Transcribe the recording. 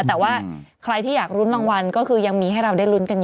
แต่ว่าใครที่อยากรุ้นรางวัลก็คือยังมีให้เราได้ลุ้นกันอยู่